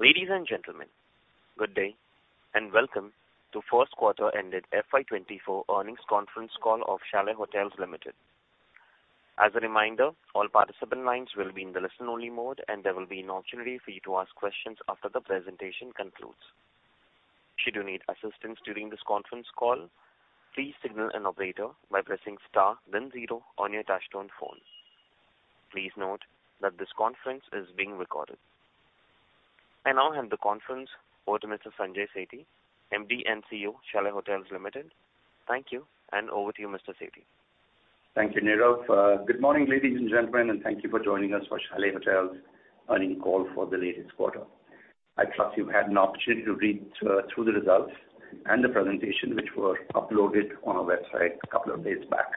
Ladies and gentlemen, good day, and welcome to first quarter ended FY 2024 earnings conference call of Chalet Hotels Limited. As a reminder, all participant lines will be in the listen-only mode, and there will be an opportunity for you to ask questions after the presentation concludes. Should you need assistance during this conference call, please signal an operator by pressing star then zero on your touchtone phone. Please note that this conference is being recorded. I now hand the conference over to Mr. Sanjay Sethi, MD and CEO, Chalet Hotels Limited. Thank you, and over to you, Mr. Sethi. Thank you, Nirav. Good morning, ladies and gentlemen, and thank you for joining us for Chalet Hotels earnings call for the latest quarter. I trust you've had an opportunity to read through the results and the presentation, which were uploaded on our website a couple of days back.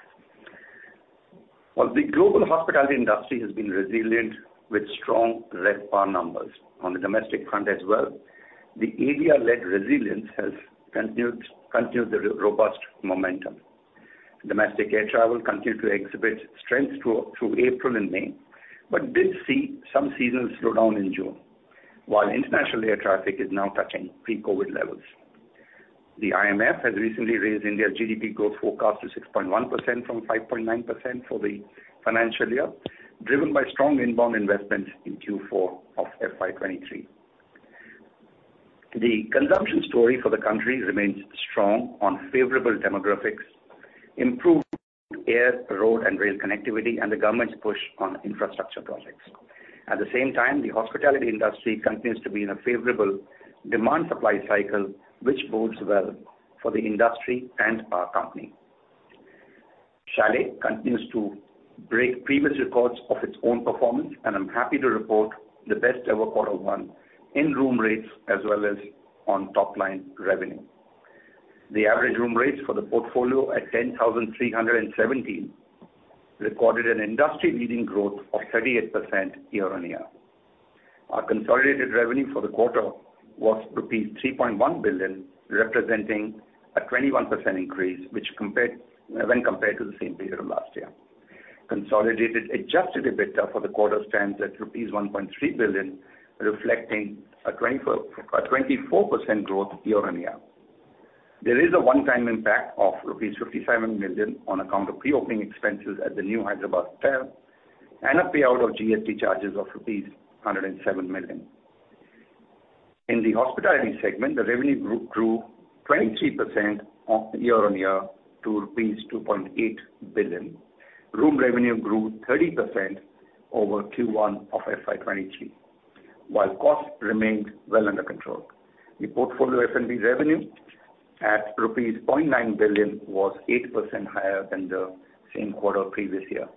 While the global hospitality industry has been resilient with strong RevPAR numbers on the domestic front as well, the ADR-led resilience has continued, continued the robust momentum. Domestic air travel continued to exhibit strength through April and May, but did see some seasonal slowdown in June, while international air traffic is now touching pre-COVID levels. The IMF has recently raised India's GDP growth forecast to 6.1% from 5.9% for the financial year, driven by strong inbound investments in Q4 of FY 2023. The consumption story for the country remains strong on favorable demographics, improved air, road, and rail connectivity, and the government's push on infrastructure projects. At the same time, the hospitality industry continues to be in a favorable demand-supply cycle, which bodes well for the industry and our company. Chalet continues to break previous records of its own performance, and I'm happy to report the best-ever quarter one in room rates as well as on top-line revenue. The average room rates for the portfolio at 10,317 recorded an industry-leading growth of 38% year-on-year. Our consolidated revenue for the quarter was rupees 3.1 billion, representing a 21% increase, which compared when compared to the same period of last year. Consolidated adjusted EBITDA for the quarter stands at rupees 1.3 billion, reflecting a 24% growth year-on-year. There is a one-time impact of rupees 57 million on account of pre-opening expenses at the new Hyderabad hotel and a payout of GST charges of rupees 107 million. In the hospitality segment, the revenue grew 23% on year-on-year to rupees 2.8 billion. Room revenue grew 30% over Q1 of FY 2023, while cost remained well under control. The portfolio F&B revenue at rupees 0.9 billion was 8% higher than the same quarter previous year.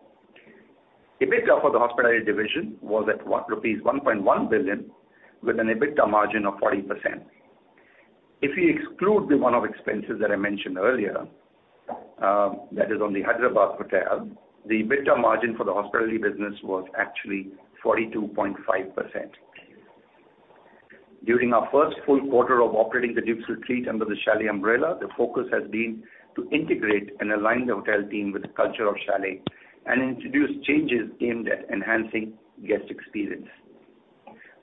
EBITDA for the hospitality division was at rupees 1.1 billion, with an EBITDA margin of 40%. If we exclude the one-off expenses that I mentioned earlier, that is on the Hyderabad hotel, the EBITDA margin for the hospitality business was actually 42.5%. During our first full quarter of operating The Dukes Retreat under the Chalet umbrella, the focus has been to integrate and align the hotel team with the culture of Chalet and introduce changes aimed at enhancing guest experience.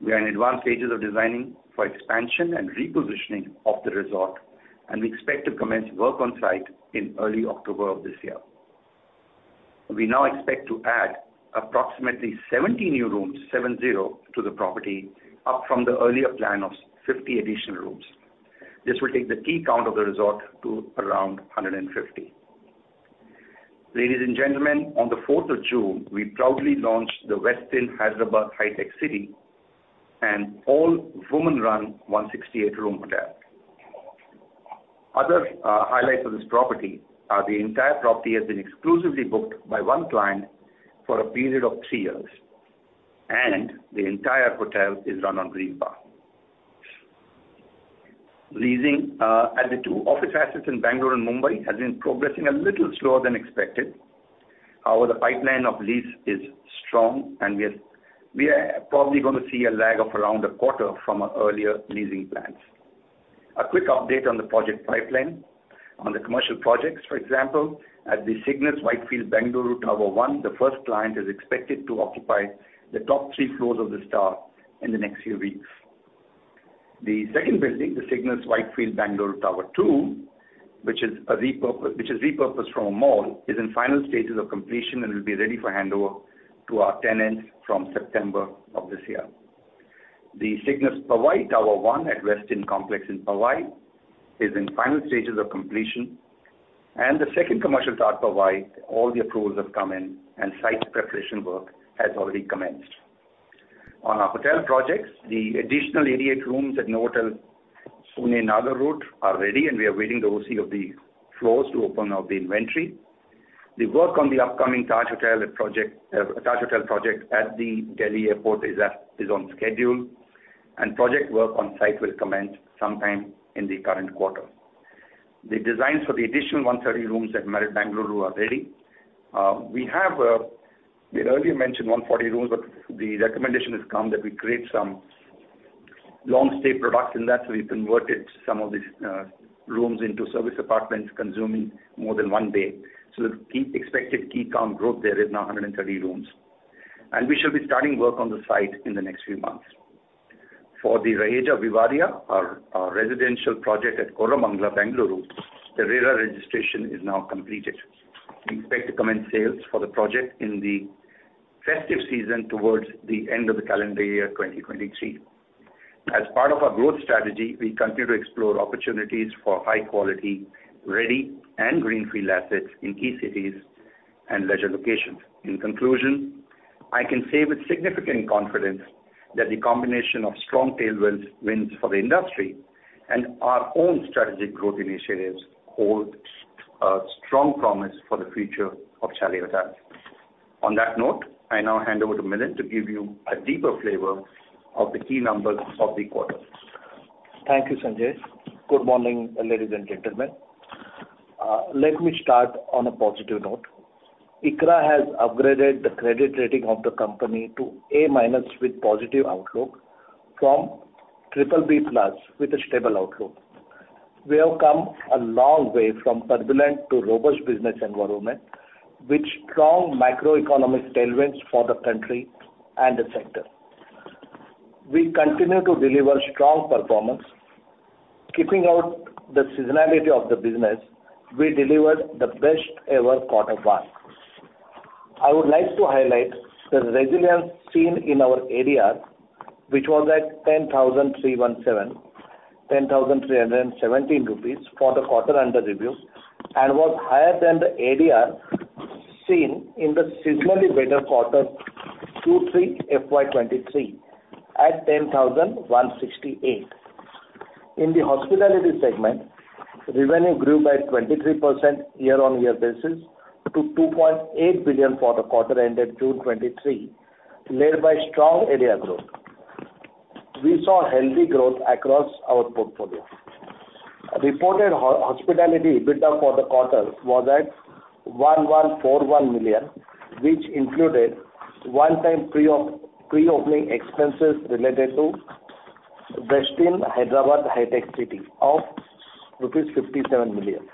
We are in advanced stages of designing for expansion and repositioning of the resort, and we expect to commence work on site in early October of this year. We now expect to add approximately 70 new rooms, seven zero, to the property, up from the earlier plan of 50 additional rooms. This will take the key count of the resort to around 150. Ladies and gentlemen, on the fourth of June, we proudly launched The Westin Hyderabad Hitec City, an all-woman run 168-room hotel. Other highlights of this property are the entire property has been exclusively booked by one client for a period of 3 years, and the entire hotel is run on green power. Leasing at the 2 office assets in Bengaluru and Mumbai has been progressing a little slower than expected. However, the pipeline of lease is strong, and we are, we are probably going to see a lag of around a quarter from our earlier leasing plans. A quick update on the project pipeline. On the commercial projects, for example, at the Cignus Whitefield Bengaluru Tower 1, the first client is expected to occupy the top 3 floors of this tower in the next few weeks. The second building, the Cignus Whitefield Bengaluru Tower 2, which is repurposed from a mall, is in final stages of completion and will be ready for handover to our tenants from September of this year. The Cignus Powai Tower 1 at Westin Complex in Powai is in final stages of completion. The second commercial tower at Powai, all the approvals have come in, and site preparation work has already commenced. On our hotel projects, the additional 88 rooms at Novotel Pune Nagar Road are ready. We are waiting the OC of the floors to open up the inventory. The work on the upcoming Taj hotel project, Taj hotel project at the Delhi airport is on schedule. Project work on site will commence sometime in the current quarter. The designs for the additional 130 rooms at Marriott Bengaluru are ready. We have, we had earlier mentioned 140 rooms, but the recommendation has come that we create some long-stay products in that, so we've converted some of these rooms into service apartments consuming more than one day. So the key—expected key count growth there is now 130 rooms, and we should be starting work on the site in the next few months. For the Raheja Vivarea, our, our residential project at Koramangala, Bengaluru, the RERA registration is now completed. We expect to commence sales for the project in the festive season towards the end of the calendar year 2023. As part of our growth strategy, we continue to explore opportunities for high quality, ready and greenfield assets in key cities and leisure locations. In conclusion, I can say with significant confidence that the combination of strong tailwinds, wins for the industry and our own strategic growth initiatives hold strong promise for the future of Chalet Hotels. On that note, I now hand over to Milind to give you a deeper flavor of the key numbers of the quarter. Thank you, Sanjay. Good morning, ladies and gentlemen. Let me start on a positive note. ICRA has upgraded the credit rating of the company to A- minus with positive outlook from triple B plus with a stable outlook. We have come a long way from turbulent to robust business environment, with strong macroeconomic tailwinds for the country and the sector. We continue to deliver strong performance. Keeping out the seasonality of the business, we delivered the best ever Q1. I would like to highlight the resilience seen in our ADR, which was at 10,317 rupees for the quarter under review, and was higher than the ADR seen in the seasonally better Q2-Q3 FY 2023, at 10,168. In the hospitality segment, revenue grew by 23% year-on-year basis, to 2.8 billion for the quarter ended June 2023, led by strong ADR growth. We saw healthy growth across our portfolio. Reported hospitality EBITDA for the quarter was at 1,141 million, which included one-time pre-opening expenses related to Westin Hyderabad Hitec City of rupees 57 million.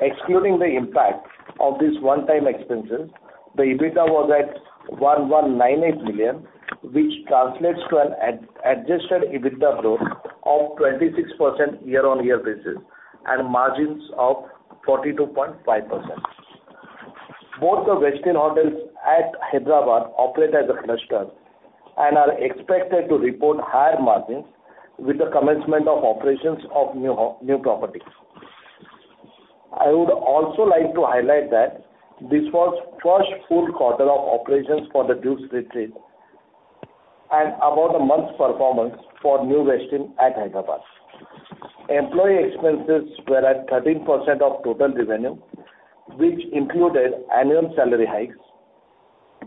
Excluding the impact of these one-time expenses, the EBITDA was at 1,198 million, which translates to an adjusted EBITDA growth of 26% year-on-year basis, and margins of 42.5%. Both the Westin hotels at Hyderabad operate as a cluster, and are expected to report higher margins with the commencement of operations of new properties. I would also like to highlight that this was first full quarter of operations for the Dukes Retreat, and about a month's performance for new Westin at Hyderabad. Employee expenses were at 13% of total revenue, which included annual salary hikes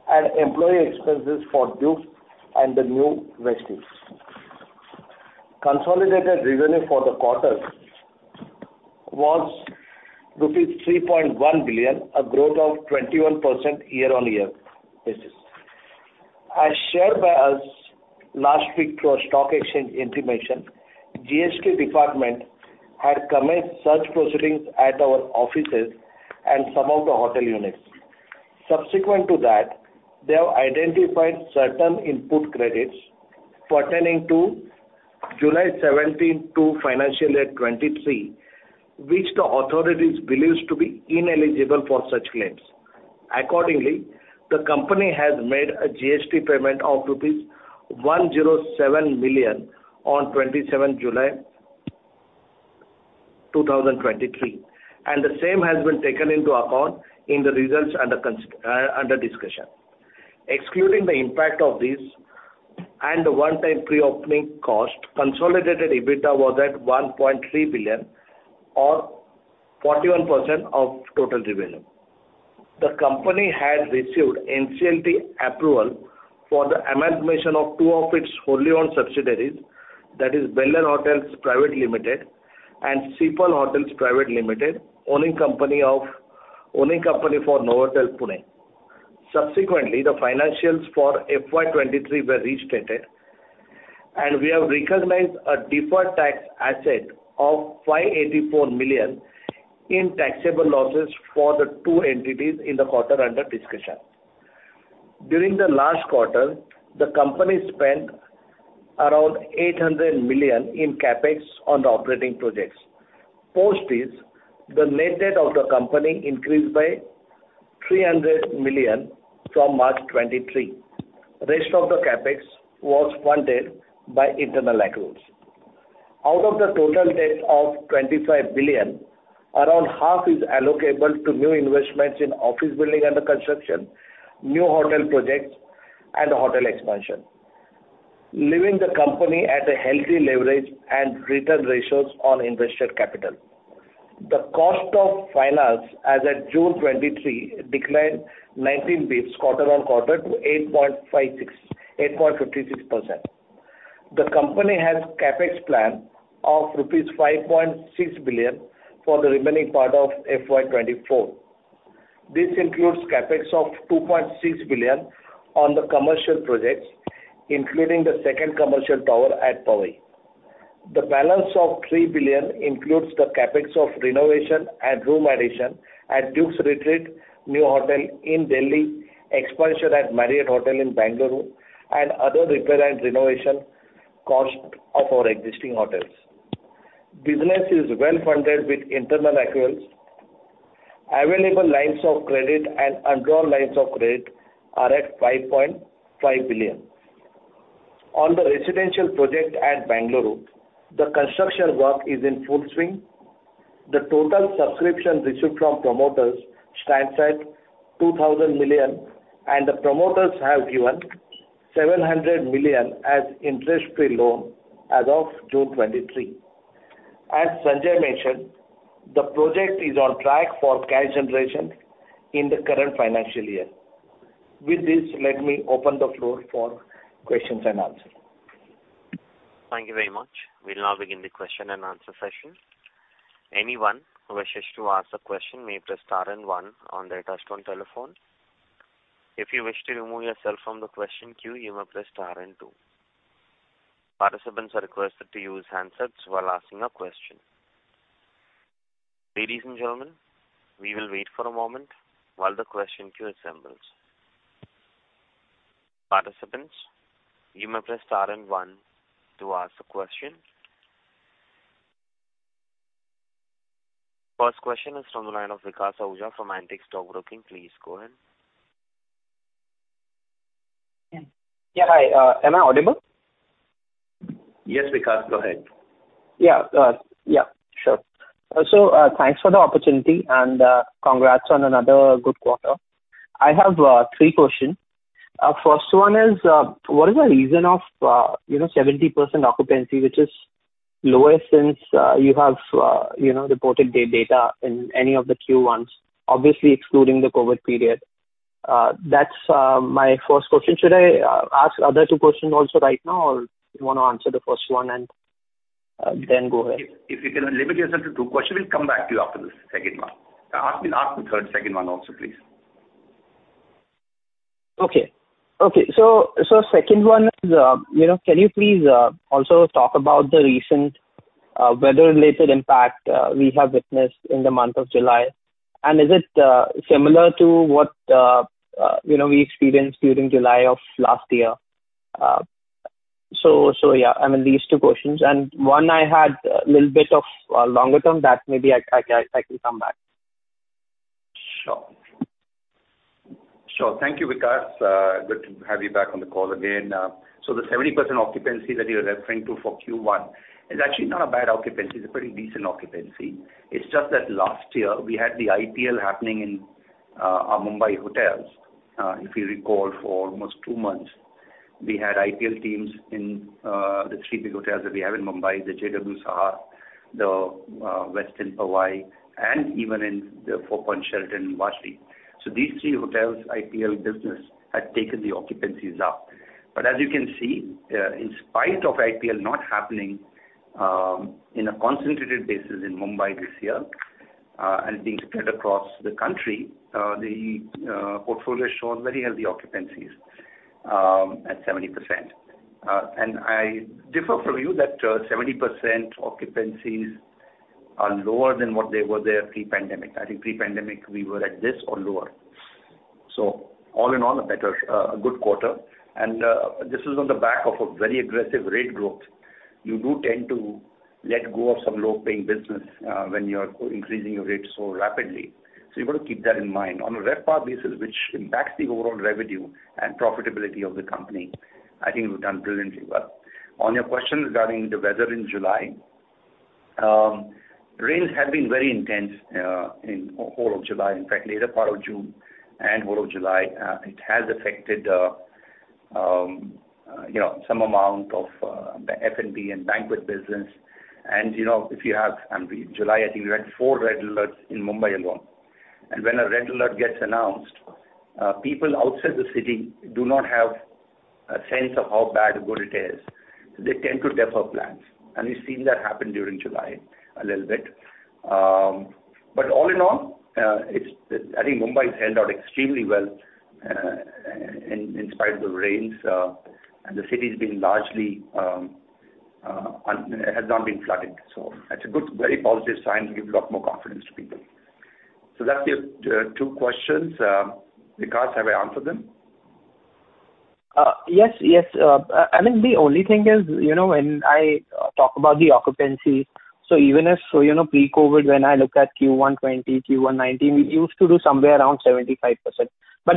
and employee expenses for Dukes and the new Westin. Consolidated revenue for the quarter was rupees 3.1 billion, a growth of 21% year-on-year basis. As shared by us last week through our stock exchange intimation, GST department had commenced search proceedings at our offices and some of the hotel units. Subsequent to that, they have identified certain input credits pertaining to July 17th to financial year 2023, which the authorities believes to be ineligible for such claims. Accordingly, the company has made a GST payment of rupees 107 million on 27 July 2023, and the same has been taken into account in the results under discussion. Excluding the impact of this and the one-time pre-opening cost, consolidated EBITDA was at 1.3 billion or 41% of total revenue. The company had received NCLT approval for the amalgamation of two of its wholly-owned subsidiaries, that is, Belaire Hotels Private Limited and Seapearl Hotels Private Limited, owning company for Novotel, Pune. Subsequently, the financials for FY 2023 were restated, and we have recognized a deferred tax asset of 584 million in taxable losses for the two entities in the quarter under discussion. During the last quarter, the company spent around 800 million in CapEx on the operating projects. Post this, the net debt of the company increased by 300 million from March 2023. Rest of the CapEx was funded by internal accruals. Out of the total debt of 25 billion, around INR 12.5 billion is allocable to new investments in office building under construction, new hotel projects, and hotel expansion, leaving the company at a healthy leverage and return ratios on invested capital. The cost of finance as at June 2023 declined 19 basis points quarter-on-quarter to 8.56%. The company has CapEx plan of rupees 5.6 billion for the remaining part of FY 2024. This includes CapEx of 2.6 billion on the commercial projects, including the second commercial tower at Powai. The balance of 3 billion includes the CapEx of renovation and room addition at Dukes Retreat, new hotel in Delhi, expansion at Marriott Hotel in Bengaluru, and other repair and renovation cost of our existing hotels. Business is well-funded with internal accruals. Available lines of credit and undrawn lines of credit are at 5.5 billion. On the residential project at Bengaluru, the construction work is in full swing. The total subscription received from promoters stands at 2,000 million, and the promoters have given 700 million as interest-free loan as of June 2023. As Sanjay mentioned, the project is on track for cash generation in the current financial year. With this, let me open the floor for questions and answers. Thank you very much. We'll now begin the question and answer session. Anyone who wishes to ask a question may press star and one on their touchtone telephone. If you wish to remove yourself from the question queue, you may press star and two. Participants are requested to use handsets while asking a question. Ladies and gentlemen, we will wait for a moment while the question queue assembles. Participants, you may press star and one to ask a question. First question is from the line of Vikas Ahuja from Antique Stock Broking. Please go ahead. Yeah. Hi, am I audible? Yes, Vikas, go ahead. Yeah, yeah, sure. Thanks for the opportunity, and congrats on another good quarter. I have three questions. First one is, what is the reason of, you know, 70% occupancy, which is lower since you have, you know, reported the data in any of the Q1s, obviously excluding the COVID period? That's my first question. Should I ask other two questions also right now, or you want to answer the first one and then go ahead? If, if you can limit yourself to two questions, we'll come back to you after the second one. ask the, ask the second one also, please. Okay. Okay, so, so second one is, you know, can you please also talk about the recent weather-related impact we have witnessed in the month of July? Is it similar to what, you know, we experienced during July of last year? So yeah, I mean, these two questions, and one I had a little bit of longer term that maybe I, I, I can come back. Sure. Sure. Thank you, Vikas. Good to have you back on the call again. The 70% occupancy that you're referring to for Q1 is actually not a bad occupancy. It's a pretty decent occupancy. It's just that last year we had the IPL happening in our Mumbai hotels. If you recall, for almost 2 months, we had IPL teams in the 3 big hotels that we have in Mumbai: the JW Sahara, the Westin Powai, and even in the Four Points Sheraton, Vashi. These 3 hotels, IPL business had taken the occupancies up. As you can see, in spite of IPL not happening, in a concentrated basis in Mumbai this year, and being spread across the country, the portfolio showed very healthy occupancies at 70%. I differ from you that 70% occupancies are lower than what they were there pre-pandemic. I think pre-pandemic, we were at this or lower. All in all, a better, a good quarter. This is on the back of a very aggressive rate growth. You do tend to let go of some low-paying business when you are increasing your rates so rapidly. You've got to keep that in mind. On a RevPAR basis, which impacts the overall revenue and profitability of the company, I think we've done brilliantly well. On your question regarding the weather in July, rains have been very intense in whole of July. In fact, later part of June and whole of July, it has affected, you know, some amount of the F&B and banquet business. You know, if you have... July, I think we had four red alerts in Mumbai alone. When a red alert gets announced, people outside the city do not have a sense of how bad or good it is. They tend to defer plans, and we've seen that happen during July a little bit. All in all, I think Mumbai's held out extremely well, in, in spite of the rains, and the city's been largely, has not been flooded. That's a good, very positive sign to give a lot more confidence to people. That's your, two questions. Vikas, have I answered them? Yes, yes. I think the only thing is, you know, when I talk about the occupancy, even if, you know, pre-COVID, when I look at Q1 2020, Q1 2019, we used to do somewhere around 75%.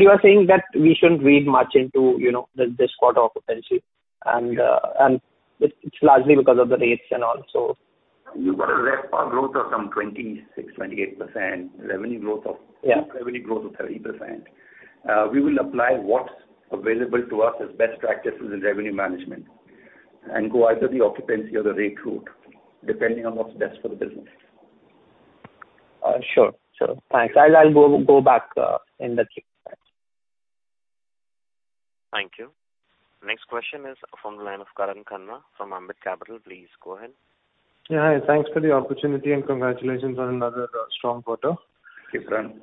You are saying that we shouldn't read much into, you know, this quarter occupancy, and it's largely because of the rates and all. You've got a RevPAR growth of some 26%-28%, revenue growth of- Yeah. Revenue growth of 30%. We will apply what's available to us as best practices in revenue management and go either the occupancy or the rate route, depending on what's best for the business. Sure, sure. Thanks. I'll go back in the queue. Thanks. Thank you. Next question is from the line of Karan Khanna from Ambit Capital. Please go ahead. Yeah, hi. Thanks for the opportunity, and congratulations on another strong quarter. Thank you, Karan.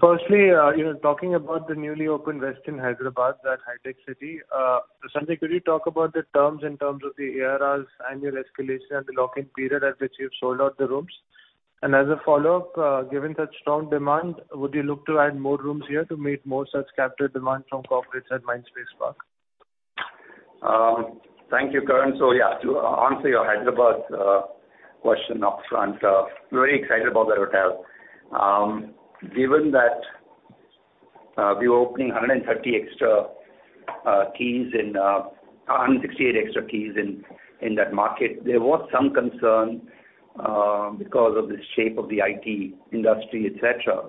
Firstly, you know, talking about the newly opened Westin Hyderabad, that Hitec City, Sanjay, could you talk about the terms in terms of the ARRs annual escalation and the lock-in period at which you've sold out the rooms? As a follow-up, given such strong demand, would you look to add more rooms here to meet more such captive demand from corporates at Mindspace Park? Thank you, Karan. Yeah, to answer your Hyderabad question up front, very excited about the hotel. Given that we were opening 130 extra keys in 168 extra keys in that market, there was some concern because of the shape of the IT industry, et cetera.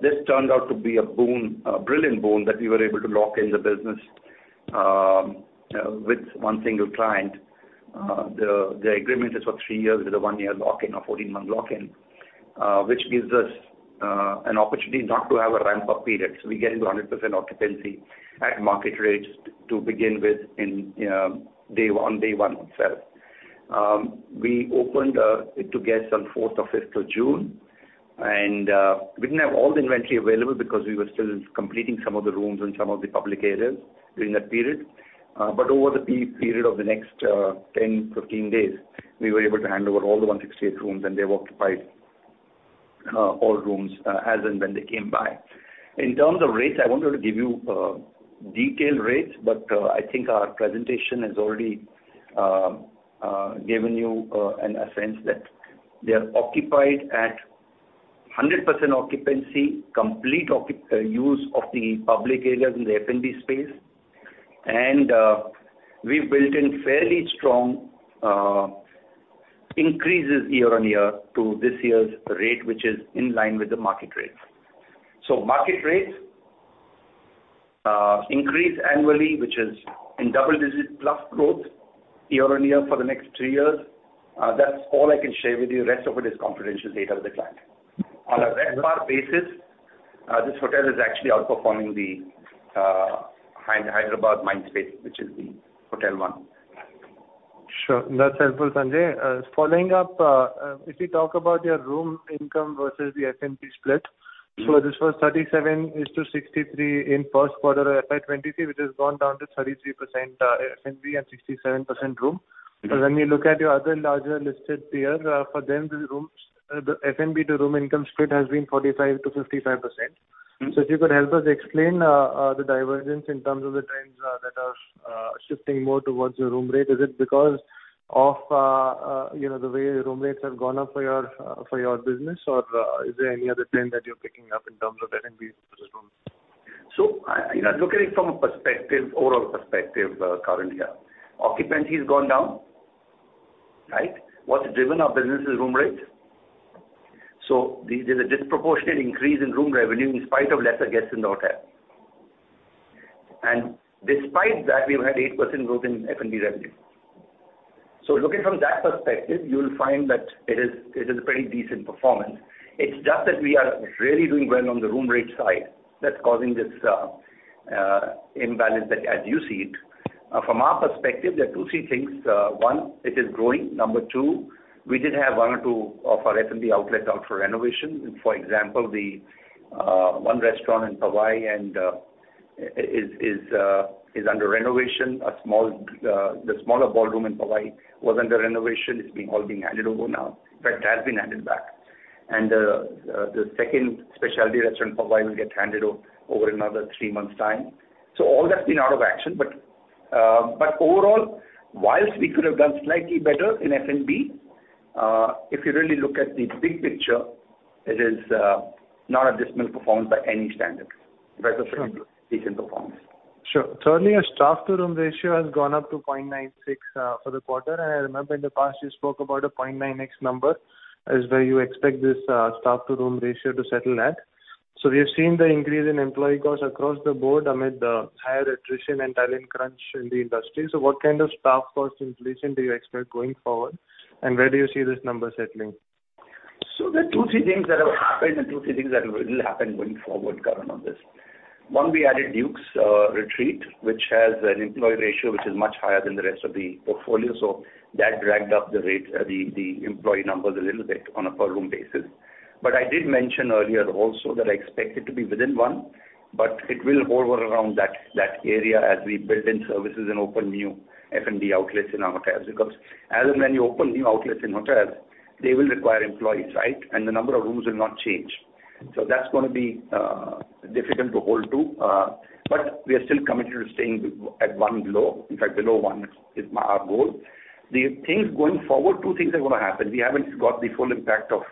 This turned out to be a boon, a brilliant boon, that we were able to lock in the business with 1 single client. The agreement is for 3 years with a 1-year lock-in or 14-month lock-in, which gives us an opportunity not to have a ramp-up period. We get into a 100% occupancy at market rates to begin with in day 1, day 1 itself. We opened it to guests on 4th or 5th of June, we didn't have all the inventory available because we were still completing some of the rooms and some of the public areas during that period. Over the period of the next 10, 15 days, we were able to hand over all the 168 rooms, they were occupied all rooms as and when they came by. In terms of rates, I won't want to give you detailed rates, I think our presentation has already given you an essence that they are occupied at 100% occupancy, complete use of the public areas in the F&B space. We've built in fairly strong increases year-on-year to this year's rate, which is in line with the market rate. Market rate increase annually, which is in double-digit plus growth year-on-year for the next 2 years. That's all I can share with you. The rest of it is confidential data of the client. On a RevPAR basis, this hotel is actually outperforming the Hyderabad Mindspace, which is the hotel one. Sure. That's helpful, Sanjay. Following up, if you talk about your room income versus the F&B split, this was 37:63 in 1st quarter of FY 2023, which has gone down to 33% F&B and 67% room. When you look at your other larger listed tier, for them, the rooms, the F&B to room income split has been 45%-55%. Mm-hmm. If you could help us explain the divergence in terms of the trends that are shifting more towards your room rate. Is it because of, you know, the way your room rates have gone up for your business? Or is there any other trend that you're picking up in terms of F&B to the room? I, you know, look at it from a perspective, overall perspective, Karan, here. Occupancy has gone down, right? What's driven our business is room rate. There's a disproportionate increase in room revenue in spite of lesser guests in the hotel. Despite that, we've had 8% growth in F&B revenue. Looking from that perspective, you'll find that it is, it is a pretty decent performance. It's just that we are really doing well on the room rate side. That's causing this imbalance that as you see it. From our perspective, there are 2, 3 things. 1, it is growing. Number 2, we did have 1 or 2 of our F&B outlets out for renovation. For example, the 1 restaurant in Powai and is, is under renovation. A small, the smaller ballroom in Powai was under renovation. It's being all being handed over now. In fact, has been handed back. The, the second speciality restaurant in Powai will get handed over another three months' time. All that's been out of action. But overall, whilst we could have done slightly better in F&B, if you really look at the big picture, it is not a dismal performance by any standard. Sure. Rather a decent performance. Sure. Certainly, your staff-to-room ratio has gone up to 0.96 for the quarter. I remember in the past, you spoke about a 0.9x number, is where you expect this staff-to-room ratio to settle at. We have seen the increase in employee costs across the board amid the higher attrition and talent crunch in the industry. What kind of staff cost inflation do you expect going forward, and where do you see this number settling? There are 2, 3 things that have happened and 2, 3 things that will happen going forward, Karan, on this. 1, we added Dukes Retreat, which has an employee ratio which is much higher than the rest of the portfolio, so that dragged up the rate, the employee numbers a little bit on a per room basis. I did mention earlier also that I expect it to be within 1, but it will hover around that, that area as we build in services and open new F&B outlets in our hotels. As and when you open new outlets in hotels, they will require employees, right? The number of rooms will not change. That's going to be difficult to hold to, but we are still committed to staying at 1 below. In fact, below 1 is our, our goal. The things going forward, 2 things are going to happen. We haven't got the full impact of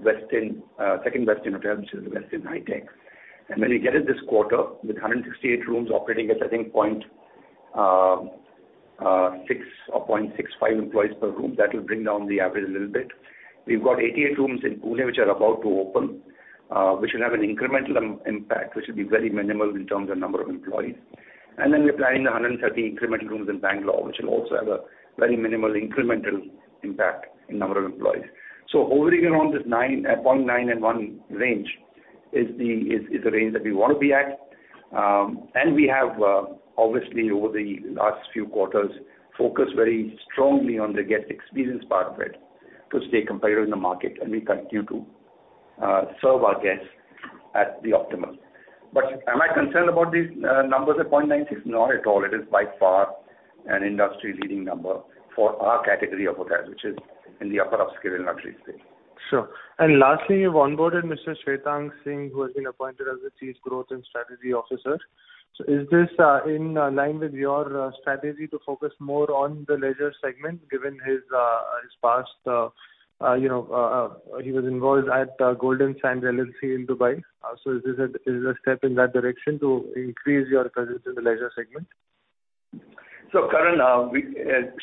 Westin, second Westin hotel, which is the Westin Hitec. When you get it this quarter, with 168 rooms operating at, I think, 0.6 or 0.65 employees per room, that will bring down the average a little bit. We've got 88 rooms in Pune, which are about to open, which will have an incremental impact, which will be very minimal in terms of number of employees. Then we're planning the 130 incremental rooms in Bangalore, which will also have a very minimal incremental impact in number of employees. Hovering around this 9, 0.9 and 1 range is the range that we want to be at. We have obviously over the last few quarters, focused very strongly on the guest experience part of it, to stay competitive in the market, and we continue to serve our guests at the optimum. Am I concerned about these numbers at 0.96? Not at all. It is by far an industry-leading number for our category of hotels, which is in the upper upscale and luxury space. Sure. Lastly, you've onboarded Mr. Shwetank Singh, who has been appointed as the Chief Growth and Strategy Officer. Is this in line with your strategy to focus more on the leisure segment, given his past, you know, he was involved at Golden Sands LLC in Dubai. Is this a, is this a step in that direction to increase your presence in the leisure segment? Karan,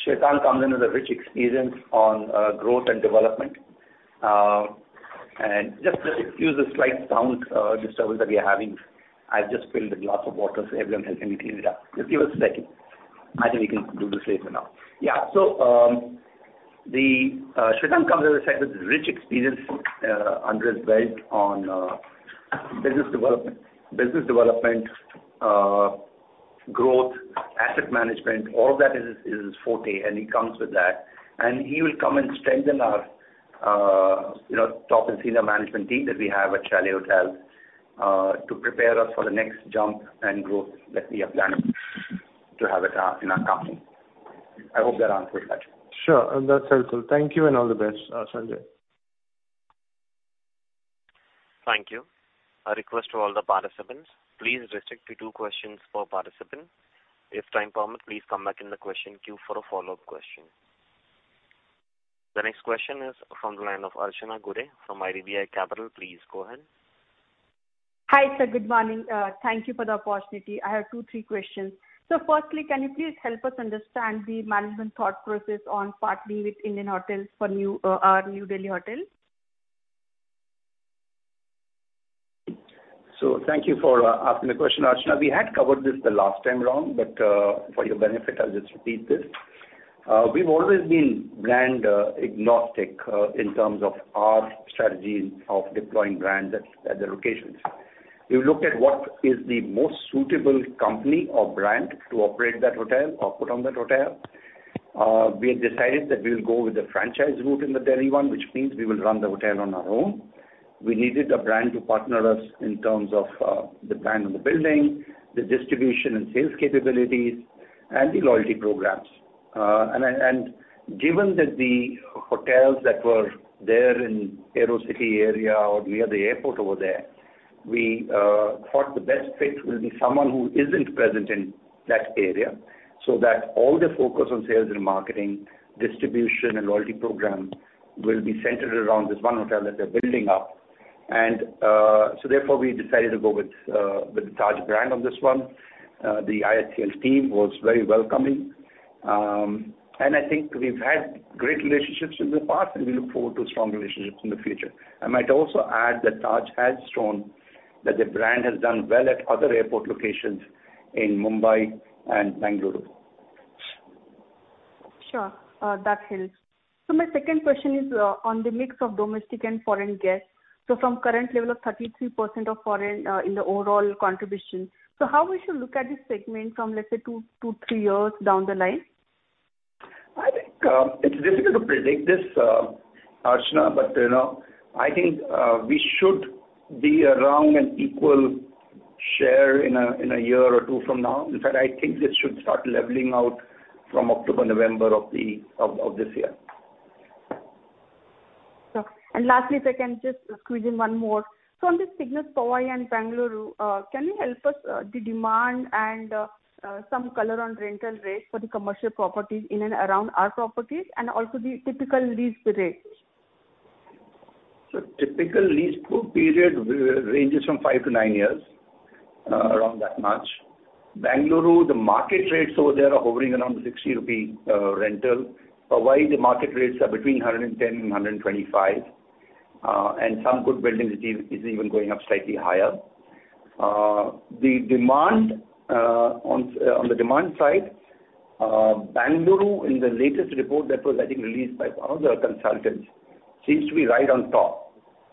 Shwetank comes in with a rich experience on growth and development. Just excuse the slight sound disturbance that we are having. I just filled a glass of water, so everyone has anything to clean it up. Just give us a second. I think we can do this later now. Shwetank comes with a set with rich experience under his belt on business development, business development, growth, asset management, all of that is his forte, and he comes with that. He will come and strengthen our, you know, top and senior management team that we have at Chalet Hotels to prepare us for the next jump and growth that we are planning to have it in our company. I hope that answers that. Sure, that's helpful. Thank you and all the best, Sanjay. Thank you. A request to all the participants. Please restrict to two questions per participant. If time permit, please come back in the question queue for a follow-up question. The next question is from the line of Archana Gude from IDBI Capital. Please go ahead. Hi, sir. Good morning. Thank you for the opportunity. I have two, three questions. Firstly, can you please help us understand the management thought process on partnering with Indian Hotels for new, our New Delhi hotel? Thank you for asking the question, Archana. We had covered this the last time around, but for your benefit, I'll just repeat this. We've always been brand agnostic in terms of our strategy of deploying brands at the locations. We look at what is the most suitable company or brand to operate that hotel or put on that hotel. We have decided that we will go with the franchise route in the Delhi one, which means we will run the hotel on our own. We needed a brand to partner us in terms of the brand on the building, the distribution and sales capabilities, and the loyalty programs. And given that the hotels that were there in Aerocity area or near the airport over there, we thought the best fit will be someone who isn't present in that area, so that all the focus on sales and marketing, distribution and loyalty program will be centered around this one hotel that they're building up. So therefore, we decided to go with, with the Taj brand on this one. The IHCL team was very welcoming. I think we've had great relationships in the past, and we look forward to strong relationships in the future. I might also add that Taj has shown that the brand has done well at other airport locations in Mumbai and Bengaluru. Sure, that helps. My second question is, on the mix of domestic and foreign guests. From current level of 33% of foreign, in the overall contribution, how we should look at this segment from, let's say, 2-3 years down the line? I think, it's difficult to predict this, Archana, but, you know, I think, we should be around an equal share in one or two years from now. In fact, I think this should start leveling out from October, November of this year. Sure. Lastly, if I can just squeeze in one more. On this CIGNUS Powai and Bengaluru, can you help us, the demand and, some color on rental rates for the commercial properties in and around our properties, and also the typical lease rates? Typical lease period ranges from 5 to 9 years, around that much. Bengaluru, the market rates over there are hovering around the 60 rupee rental. Powai, the market rates are between 110 and 125, and some good buildings it is even going up slightly higher. The demand on the demand side, Bengaluru, in the latest report that was, I think, released by one of the consultants, seems to be right on top.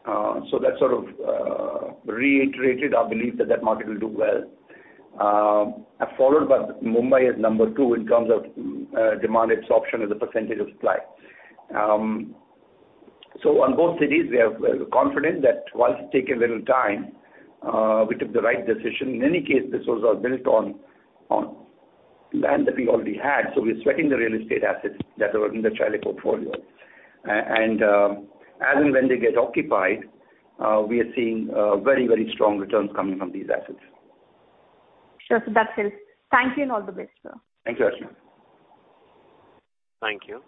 That sort of reiterated our belief that that market will do well. Followed by Mumbai at number 2 in terms of demand absorption as a percentage of supply. On both cities, we are confident that while it's taken a little time, we took the right decision. In any case, this was built on, on land that we already had, so we're sweating the real estate assets that are in the Chalet portfolio. As and when they get occupied, we are seeing very, very strong returns coming from these assets. Sure. That helps. Thank you, and all the best, sir. Thank you, Archana. Thank you.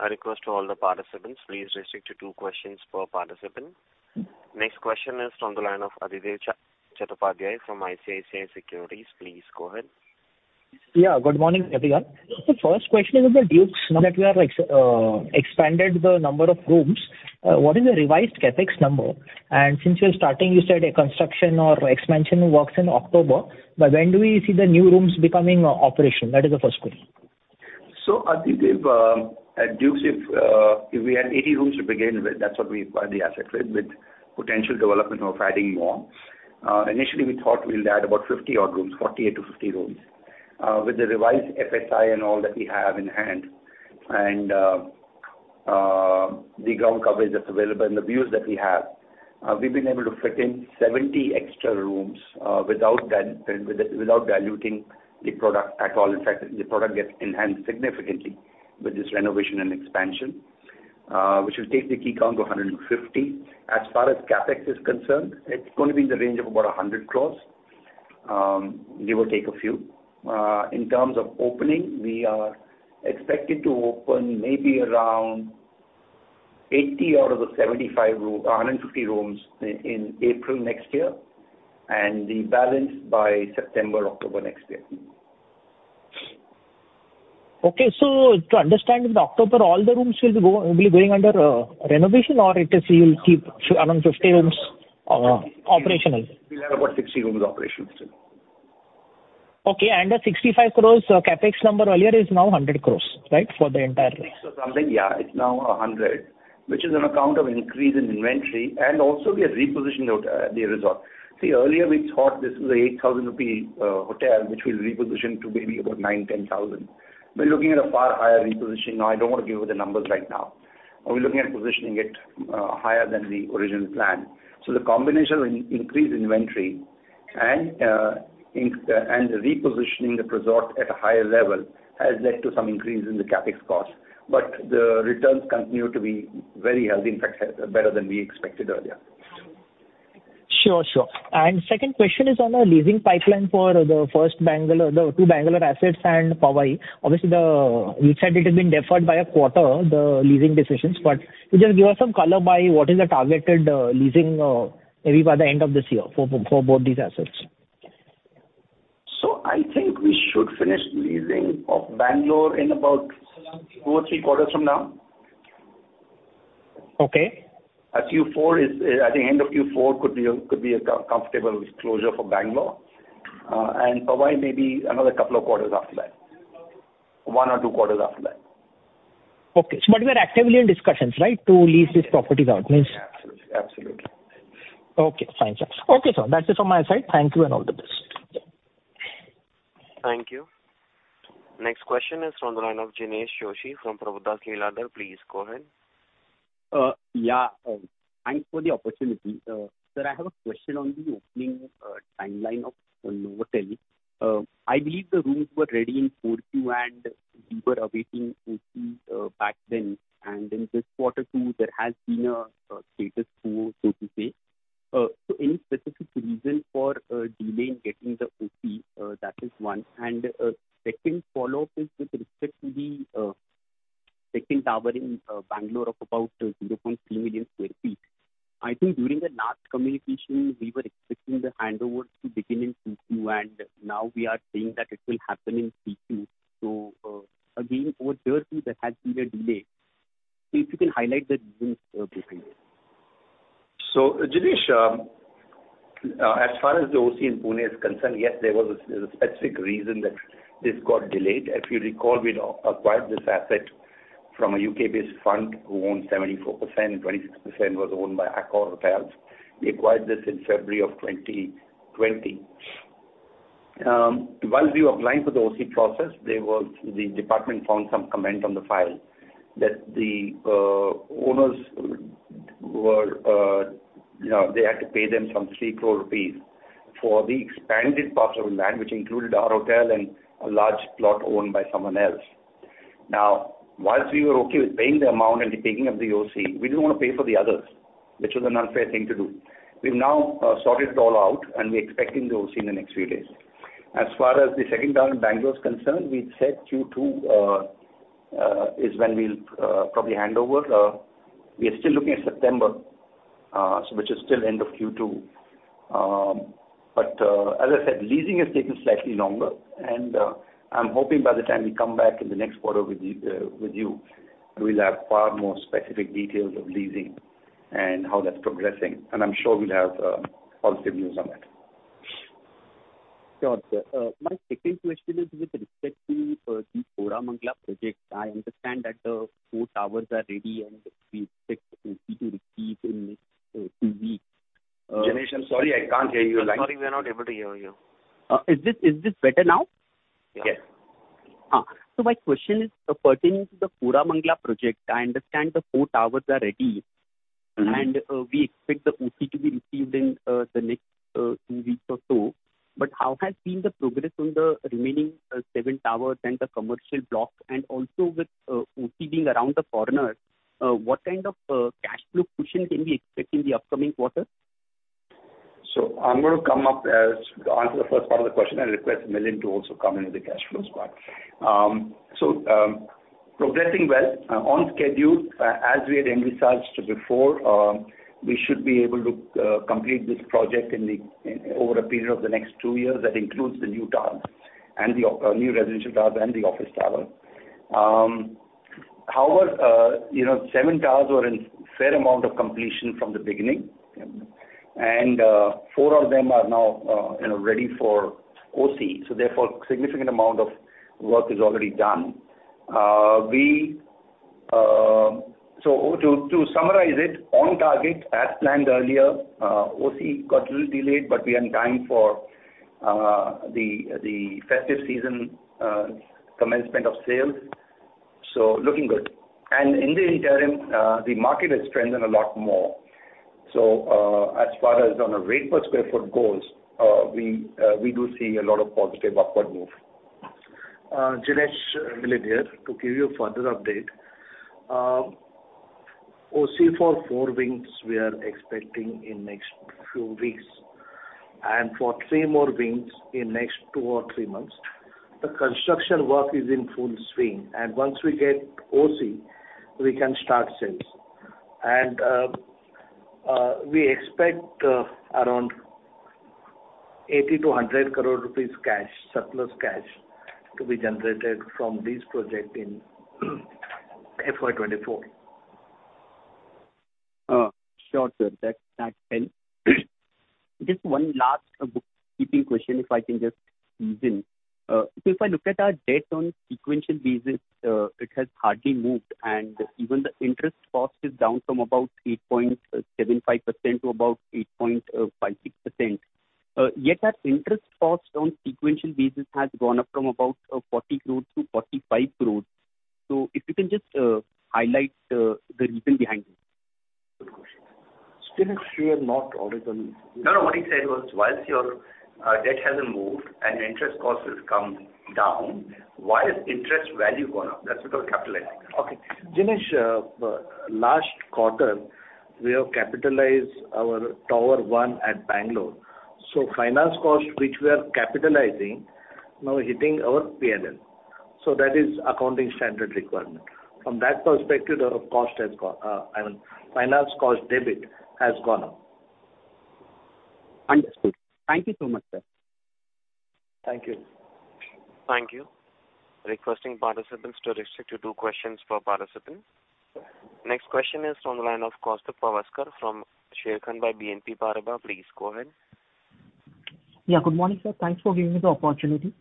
I request to all the participants, please restrict to two questions per participant. Next question is from the line of Adhidev Chattopadhyay from ICICI Securities. Please go ahead. Yeah, good morning, everyone. The first question is The Dukes. Now that we have expanded the number of rooms, what is the revised CapEx number? Since you're starting, you said, a construction or expansion works in October. When do we see the new rooms becoming operational? That is the first question. I think if, at Dukes, if, if we had 80 rooms to begin with, that's what we acquired the asset with, with potential development of adding more. Initially, we thought we'll add about 50 odd rooms, 48-50 rooms. With the revised FSI and all that we have in hand, and the ground coverage that's available and the views that we have, we've been able to fit in 70 extra rooms, without without, without diluting the product at all. In fact, the product gets enhanced significantly with this renovation and expansion, which will take the key count to 150. As far as CapEx is concerned, it's going to be in the range of about 100 crores, give or take a few. In terms of opening, we are expected to open maybe around 80 out of the 75 room- 150 rooms in April next year, and the balance by September, October next year. To understand, in October, all the rooms will be going under renovation, or it is you'll keep around 50 rooms operational? We'll have about 60 rooms operational still. Okay. The 65 crores CapEx number earlier is now 100 crores, right? For the entire- Something, yeah, it's now 100, which is on account of increase in inventory, and also we are repositioning the resort. See, earlier we thought this was a 8,000 rupee hotel, which we'll reposition to maybe about 9,000-10,000. We're looking at a far higher repositioning. Now, I don't want to give you the numbers right now. We're looking at positioning it higher than the original plan. The combination of increased inventory and repositioning the resort at a higher level has led to some increase in the CapEx cost, but the returns continue to be very healthy. In fact, better than we expected earlier. Sure, sure. Second question is on our leasing pipeline for the first Bengaluru, the two Bengaluru assets and Powai. Obviously, you said it has been deferred by a quarter, the leasing decisions, but could you just give us some color by what is the targeted leasing maybe by the end of this year for both these assets? I think we should finish leasing of Bangalore in about two or three quarters from now. Okay. A Q4 is, at the end of Q4 could be a, could be a comfortable closure for Bangalore, and Powai maybe another couple of quarters after that. One or two quarters after that. Okay. We are actively in discussions, right, to lease these properties out? Absolutely. Absolutely. Okay, fine, sir. Okay, sir, that's it from my side. Thank you and all the best. Thank you. Next question is from the line of Jinesh Joshi from Prabhudas Lilladher. Please go ahead. Yeah, thanks for the opportunity. Sir, I have a question on the opening timeline of Novotel. I believe the rooms were ready in 4Q, and we were awaiting OC back then, and in this Quarter Two, there has been a status quo, so to say. Any specific reason for delay in getting the OC? That is one. Second follow-up is with respect to the second tower in Bangalore of about 0.7 million sq ft. I think during the last communication, we were expecting the handover to begin in Q2, and now we are saying that it will happen in Q2. Again, over there too, there has been a delay. If you can highlight the reasons briefly. Jinesh, as far as the OC in Pune is concerned, yes, there's a specific reason that this got delayed. If you recall, we'd acquired this asset from a UK-based fund who owned 74%, and 26% was owned by Accor Hotels. We acquired this in February 2020. While we were applying for the OC process, the department found some comment on the file that the owners were, you know, they had to pay them some 3 crore rupees for the expanded parcel of land, which included our hotel and a large plot owned by someone else. Whilst we were okay with paying the amount and the taking of the OC, we didn't want to pay for the others, which was an unfair thing to do. We've now sorted it all out, and we're expecting the OC in the next few days. As far as the second tower in Bangalore is concerned, we've said Q2 is when we'll probably hand over. We are still looking at September, so which is still end of Q2. As I said, leasing has taken slightly longer, and I'm hoping by the time we come back in the next quarter with you, with you, we'll have far more specific details of leasing and how that's progressing, and I'm sure we'll have positive news on that. Sure, sir. My second question is with respect to the Koramangala project. I understand that the four towers are ready, and we expect the OC to receive in, two weeks. Jinesh, I'm sorry, I can't hear you. Sorry, we're not able to hear you. Is this, is this better now? Yes. My question is pertaining to the Koramangala project. I understand the 4 towers are ready-. Mm-hmm. We expect the OC to be received in the next 2 weeks or so. How has been the progress on the remaining 7 towers and the commercial block? Also with OC being around the corner, what kind of cash flow cushion can we expect in the upcoming quarter? I'm going to come up as—to answer the first part of the question and request Milind to also come in with the cash flows part. progressing well, on schedule, as we had envisaged before, we should be able to complete this project in the, over a period of the next 2 years. That includes the new towers and the new residential towers and the office tower. However, you know, 7 towers were in fair amount of completion from the beginning, and 4 of them are now, you know, ready for OC. Therefore, significant amount of work is already done. We, so to, to summarize it, on target as planned earlier, OC got a little delayed, but we are on time for the festive season, commencement of sales. looking good. In the interim, the market has strengthened a lot more. As far as on a rate per sq ft goes, we do see a lot of positive upward move. Jinesh, Milind here. To give you a further update, OC for 4 wings, we are expecting in next few weeks, and for 3 more wings in next 2 or 3 months. The construction work is in full swing. Once we get OC, we can start sales. We expect around 80-100 crore rupees cash, surplus cash, to be generated from this project in FY 2024. Sure, sir. That, that helps. Just one last bookkeeping question, if I can just ease in. If I look at our debt on sequential basis, it has hardly moved, and even the interest cost is down from about 8.75% to about 8.56%. Yet our interest cost on sequential basis has gone up from about 40 crore to 45 crore. If you can just highlight the reason behind it? Good question. Still it's clear, not audit on- No, no, what he said was, whilst your debt hasn't moved and interest costs has come down, why has interest value gone up? That's because of capitalizing. Okay. Jinesh, last quarter, we have capitalized our Tower 1 at Bangalore. Finance cost, which we are capitalizing, now hitting our P&L. That is accounting standard requirement. From that perspective, our cost has gone, I mean, finance cost debit has gone up. Understood. Thank you so much, sir. Thank you. Thank you. Requesting participants to restrict to two questions per participant. Next question is on the line of Kaustubh Pawaskar from Sharekhan by BNP Paribas. Please go ahead. Yeah, good morning, sir. Thanks for giving me the opportunity.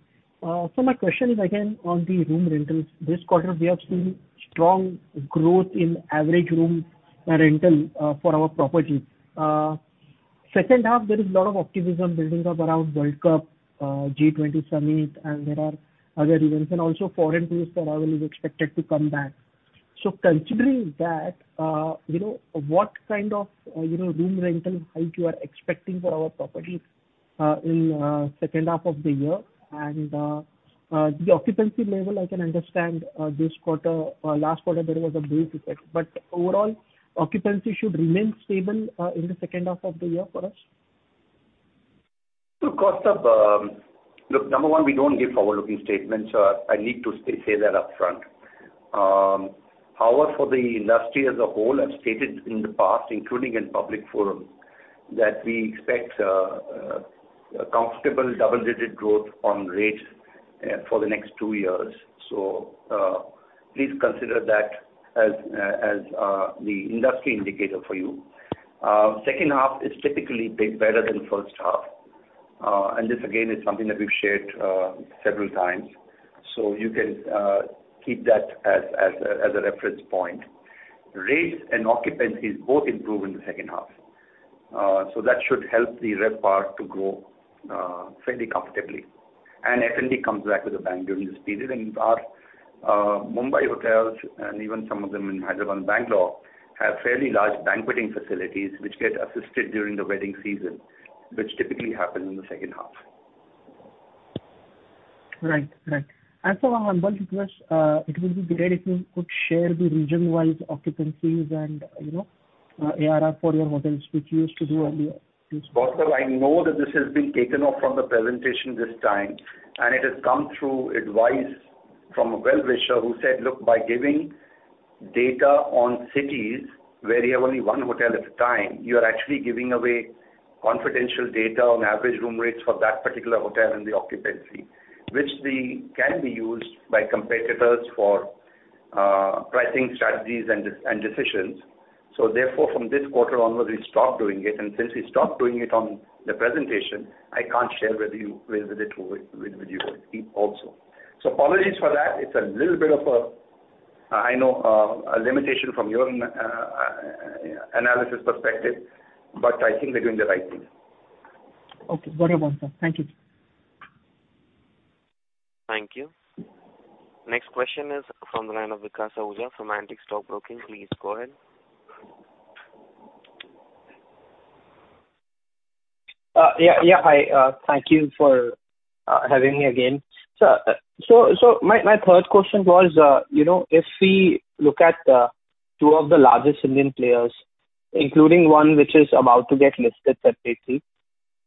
So my question is again on the room rentals. This quarter, we have seen strong growth in average room rental for our properties. Second half, there is a lot of optimism building up around World Cup, G20 Summit, and there are other reasons, and also foreign tourist travel is expected to come back. Considering that, you know, what kind of, you know, room rental hike you are expecting for our properties in second half of the year? The occupancy level, I can understand, this quarter, last quarter, there was a big effect. Overall, occupancy should remain stable in the second half of the year for us? Kaustubh, look, number 1, we don't give forward-looking statements. I need to say, say that upfront. However, for the industry as a whole, I've stated in the past, including in public forum, that we expect a comfortable double-digit growth on rates for the next 2 years. Please consider that as as the industry indicator for you. Second half is typically be better than first half. This, again, is something that we've shared several times. You can keep that as as a reference point. Rates and occupancies both improve in the second half. That should help the RevPAR to grow fairly comfortably. F&B comes back with a bang during this period, and our Mumbai hotels, and even some of them in Hyderabad and Bangalore, have fairly large banqueting facilities, which get assisted during the wedding season, which typically happens in the second half. Right. Right. As for our humble request, it would be great if you could share the region-wise occupancies and, you know, ARR for your hotels, which you used to do earlier. Kaustubh, I know that this has been taken off from the presentation this time. It has come through advice from a well-wisher who said, "Look, by giving data on cities where you have only one hotel at a time, you are actually giving away confidential data on average room rates for that particular hotel and the occupancy, which can be used by competitors for pricing strategies and decisions." Therefore, from this quarter onwards, we stopped doing it. Since we stopped doing it on the presentation, I can't share with you also. Apologies for that. It's a little bit of a, I know, a limitation from your analysis perspective, but I think we're doing the right thing. Okay. Very well, sir. Thank you. Thank you. Next question is from the line of Vikas Ahuja from Antique Stock Broking. Please go ahead. Yeah, yeah. Hi, thank you for having me again. My third question was, you know, if we look at two of the largest Indian players, including one which is about to get listed, that they see,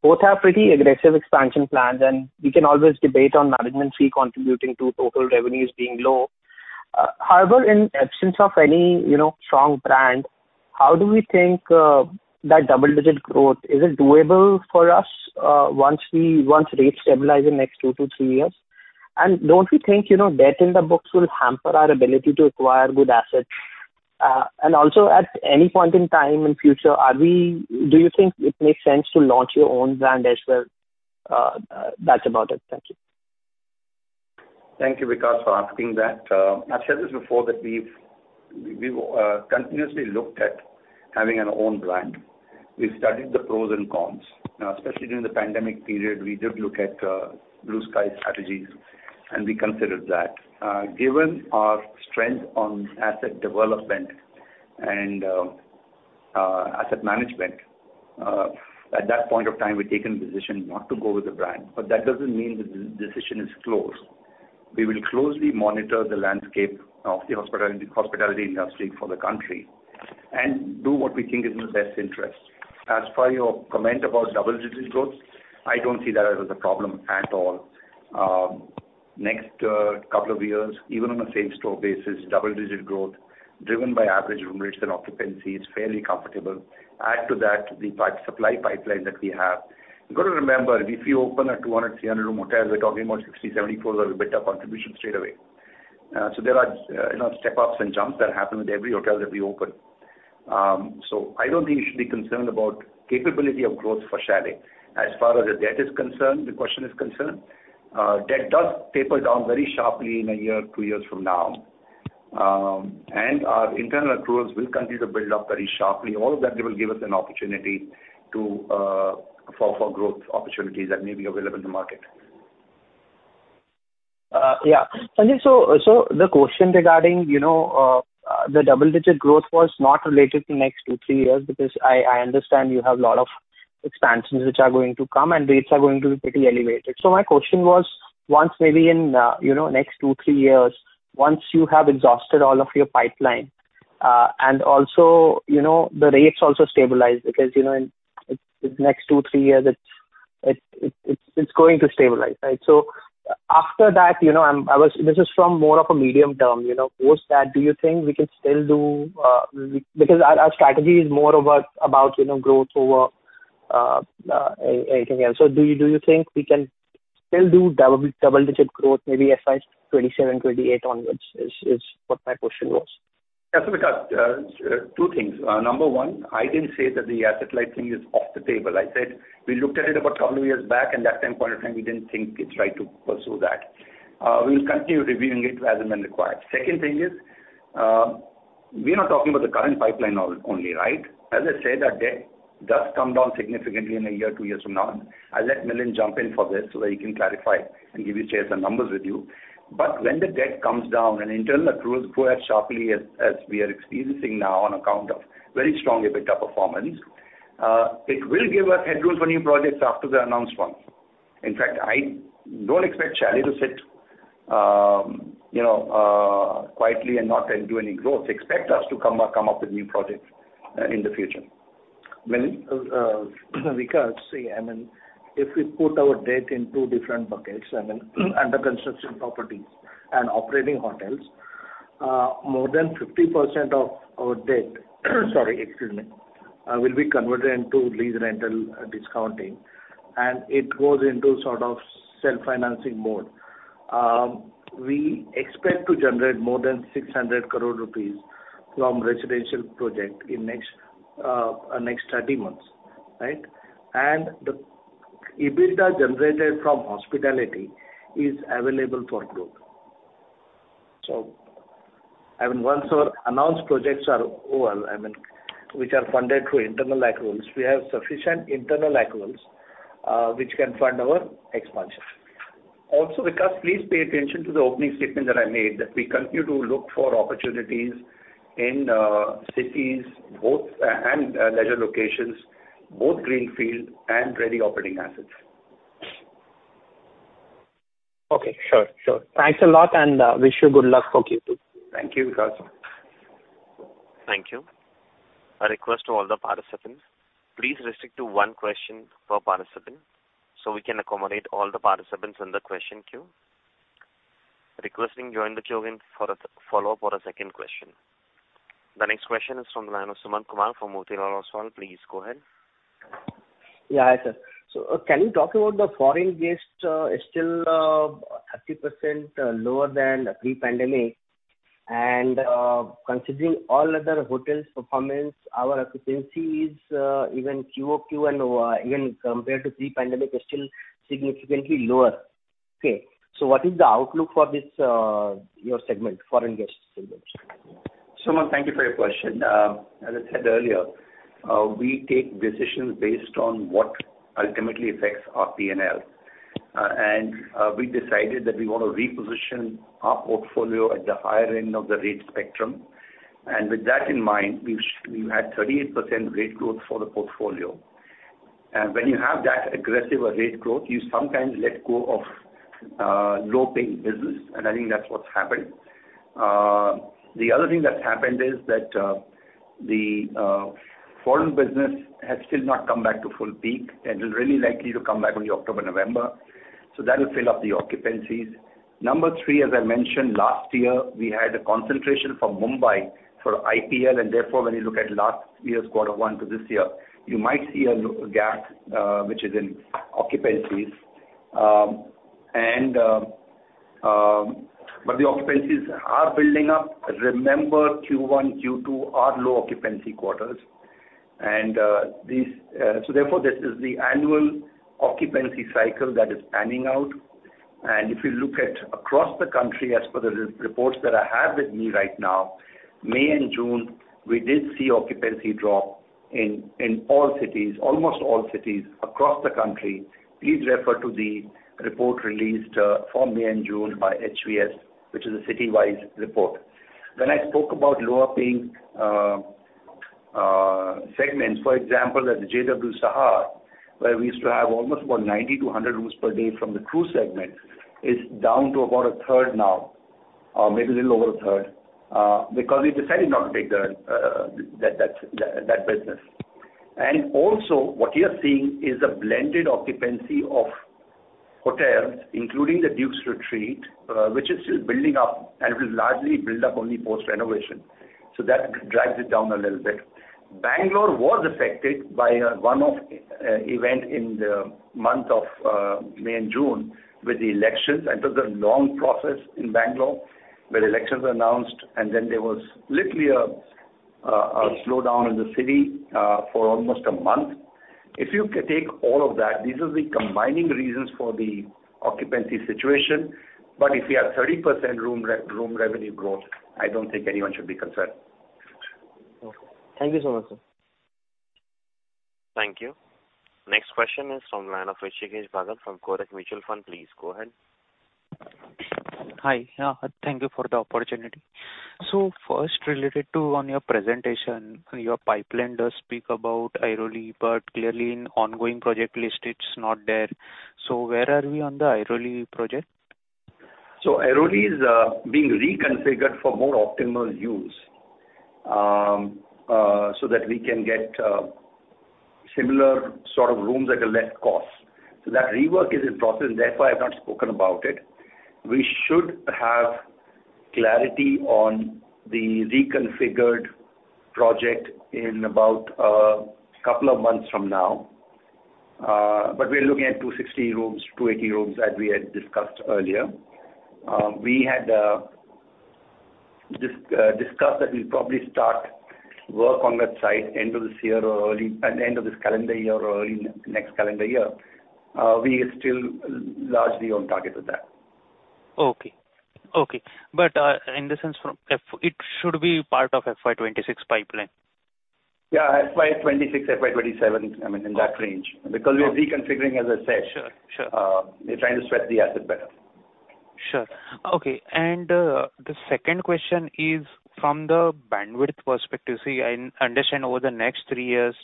both have pretty aggressive expansion plans, and we can always debate on management fee contributing to total revenues being low. However, in absence of any, you know, strong brand- How do we think that double-digit growth, is it doable for us, once rates stabilize in next 2-3 years? Don't we think, you know, debt in the books will hamper our ability to acquire good assets? Also at any point in time in future, do you think it makes sense to launch your own brand as well? That's about it. Thank you. Thank you, Vikas, for asking that. I've said this before, that we've, we've continuously looked at having our own brand. We've studied the pros and cons. Now, especially during the pandemic period, we did look at blue sky strategies, and we considered that. Given our strength on asset development and asset management, at that point of time, we've taken the decision not to go with the brand, but that doesn't mean the de- decision is closed. We will closely monitor the landscape of the hospitality, hospitality industry for the country and do what we think is in the best interest. As for your comment about double-digit growth, I don't see that as a problem at all. Next couple of years, even on a same-store basis, double-digit growth, driven by average room rates and occupancy, is fairly comfortable. Add to that the supply pipeline that we have. You've got to remember, if you open a 200, 300 room hotel, we're talking about $60, $70 EBITDA contribution straightaway. So there are, you know, step-ups and jumps that happen with every hotel that we open. So I don't think you should be concerned about capability of growth for Chalet. As far as the debt is concerned, the question is concerned, debt does taper down very sharply in 1 year, 2 years from now. And our internal accruals will continue to build up very sharply. All of that will give us an opportunity to, for, for growth opportunities that may be available in the market. Yeah. Sanjay, so, so the question regarding, you know, the double-digit growth was not related to next two, three years, because I understand you have a lot of expansions which are going to come, and rates are going to be pretty elevated. My question was, once maybe in, you know, next two, three years, once you have exhausted all of your pipeline, and also, you know, the rates also stabilize, because, you know, in the next two, three years, it's, it's, it's going to stabilize, right? After that, you know, I was this is from more of a medium term, you know. Post that, do you think we can still do, we... Because our, our strategy is more about, about, you know, growth over anything else. Do you, do you think we can still do double, double-digit growth, maybe FY 2027, 2028 onwards, is, is what my question was? Yeah, Vikas, two things. Number one, I didn't say that the asset light thing is off the table. I said, we looked at it about 12 years back, and that time, point of time, we didn't think it's right to pursue that. We'll continue reviewing it as and when required. Second thing is, we are not talking about the current pipeline only, right? As I said, our debt does come down significantly in a year, two years from now. I'll let Milind jump in for this, so that he can clarify and give you, share some numbers with you. When the debt comes down and internal accruals grow as sharply as, as we are experiencing now on account of very strong EBITDA performance, it will give us headroom for new projects after the announced ones. In fact, I don't expect Chalet to sit, you know, quietly and not do any growth. Expect us to come up, come up with new projects in the future. Milind? Vikas, see, I mean, if we put our debt in two different buckets, I mean, under construction properties and operating hotels, more than 50% of our debt, sorry, excuse me, will be converted into lease rental discounting, and it goes into sort of self-financing mode. We expect to generate more than 600 crore rupees from residential project in next 30 months, right? The EBITDA generated from hospitality is available for growth. I mean, once our announced projects are over, I mean, which are funded through internal accruals, we have sufficient internal accruals, which can fund our expansion. Vikas, please pay attention to the opening statement that I made, that we continue to look for opportunities in cities, both, and leisure locations, both greenfield and ready operating assets. Okay, sure, sure. Thanks a lot, and wish you good luck for Q2. Thank you, Vikas. Thank you. A request to all the participants, please restrict to one question per participant, so we can accommodate all the participants in the question queue. Requesting to join the queue again for a follow-up or a second question. The next question is from the line of Suman Kumar from Motilal Oswal. Please go ahead. Yeah, hi, sir. Can you talk about the foreign guests, is still 30% lower than pre-pandemic? Considering all other hotels' performance, our occupancy is even QoQ and even compared to pre-pandemic, is still significantly lower. What is the outlook for this, your segment, foreign guests segment? Suman, thank you for your question. As I said earlier, we take decisions based on what ultimately affects our P&L. We decided that we want to reposition our portfolio at the higher end of the rate spectrum. With that in mind, we've had 38% rate growth for the portfolio. When you have that aggressive a rate growth, you sometimes let go of low-paying business, and I think that's what's happened. The other thing that's happened is that the foreign business has still not come back to full peak, and is really likely to come back only October, November. That will fill up the occupancies. Number 3, as I mentioned, last year, we had a concentration from Mumbai for IPL, when you look at last year's quarter 1 to this year, you might see a gap, which is in occupancies. The occupancies are building up. Remember, Q1, Q2 are low occupancy quarters, this is the annual occupancy cycle that is panning out. If you look at across the country, as per the reports that I have with me right now, May and June, we did see occupancy drop in, in all cities, almost all cities across the country. Please refer to the report released for May and June by HVS, which is a city-wide report. When I spoke about lower paying segments, for example, at the JW Sahar, where we used to have almost about 90-100 rooms per day from the crew segment, is down to about a third now, maybe a little over a third, because we decided not to take the that, that, that business. What you are seeing is a blended occupancy of hotels, including The Dukes Retreat, which is still building up and will largely build up only post-renovation. That drives it down a little bit. Bangalore was affected by a one-off event in the month of May and June with the elections. That was a long process in Bangalore, where elections were announced, and then there was literally a slowdown in the city for almost a month. If you take all of that, this is the combining reasons for the occupancy situation. If you have 30% room revenue growth, I don't think anyone should be concerned. Thank you so much, sir. Thank you. Next question is from line of Hrishikesh Bhagat from Kotak Mutual Fund. Please go ahead. Hi, thank you for the opportunity. First, related to on your presentation, your pipeline does speak about Airoli, but clearly in ongoing project list, it's not there. Where are we on the Airoli project? Airoli is being reconfigured for more optimal use, so that we can get similar sort of rooms at a less cost. That rework is in process, therefore, I've not spoken about it. We should have clarity on the reconfigured project in about couple of months from now. We're looking at 260 rooms, 280 rooms, as we had discussed earlier. We had discussed that we'll probably start work on that site end of this year or end of this calendar year or early next calendar year. We are still largely on target with that. Okay. Okay, but, in the sense from it should be part of FY 2026 pipeline? Yeah, FY 2026, FY 2027, I mean, in that range. Okay. Because we are reconfiguring, as I said. Sure, sure. We're trying to spread the asset better. Sure. Okay, the second question is from the bandwidth perspective. See, I understand over the next three years,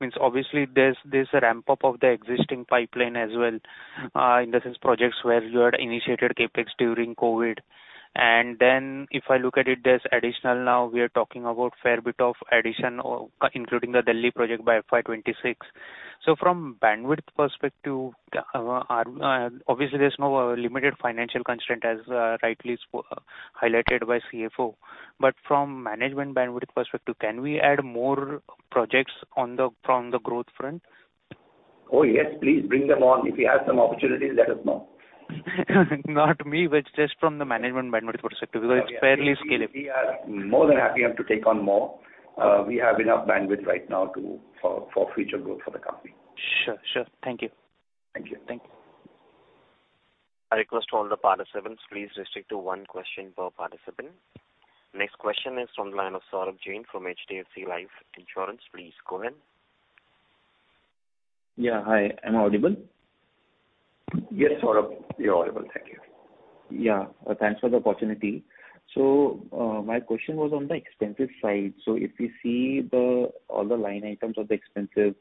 means obviously there's, there's a ramp-up of the existing pipeline as well, in the sense projects where you had initiated CapEx during COVID. Then if I look at it, there's additional now, we are talking about fair bit of addition, or including the Delhi project by FY 2026. From bandwidth perspective, obviously, there's no limited financial constraint, as rightly highlighted by CFO. From management bandwidth perspective, can we add more projects from the growth front? Oh, yes, please bring them on. If you have some opportunities, let us know. Not me, but just from the management bandwidth perspective, because it's fairly scalable. We are more than happy enough to take on more. We have enough bandwidth right now to, for, for future growth for the company. Sure, sure. Thank you. Thank you. Thank you. I request all the participants, please restrict to one question per participant. Next question is from the line of Saurabh Jain from HDFC Life Insurance. Please go ahead. Yeah, hi. Am I audible? Yes, Saurabh, you're audible. Thank you. Thanks for the opportunity. My question was on the expenses side. If you see the, all the line items of the expenses,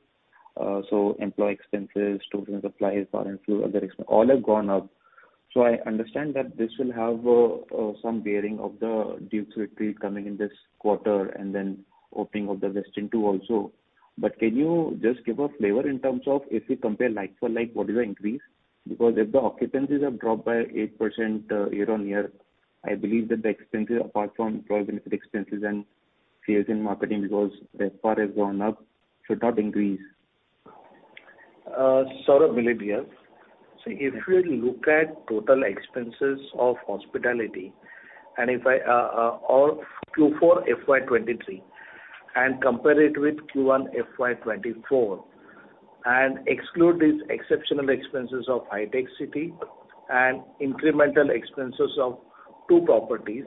employee expenses, student supplies, power and fuel, other expenses all have gone up. I understand that this will have some bearing of The Dukes Retreat coming in this quarter, and then opening of the Westin, too, also. Can you just give a flavor in terms of if we compare like for like, what is the increase? If the occupancies have dropped by 8%, year-on-year, I believe that the expenses, apart from employee benefit expenses and sales and marketing, because FPAR has gone up, should not increase. Saurabh, maybe here. If you look at total expenses of hospitality, and if I all Q4 FY 2023, and compare it with Q1 FY 2024, and exclude these exceptional expenses of Hitech City and incremental expenses of 2 properties,